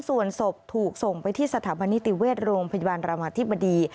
ส่วนศพถูกส่งไปที่สถาบันนิติเวชโรงพยาบาลรามาธิบดี